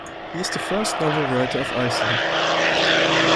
He is the first novel writer of Iceland.